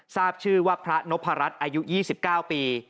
ทราบชื่อว่าพระนพรัชอายุ๒๙ปี